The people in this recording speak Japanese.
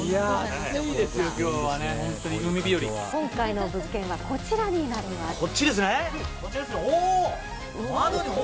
今回の物件はこちらになります。